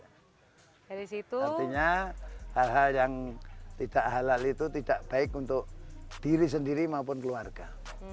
artinya hal hal yang tidak halal itu tidak baik untuk diri sendiri maupun keluarga